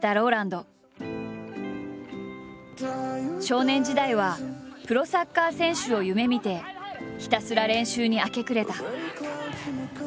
少年時代はプロサッカー選手を夢みてひたすら練習に明け暮れた。